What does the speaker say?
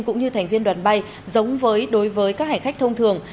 cũng như thành viên đoàn bay giống với đối với các hành khách thông thường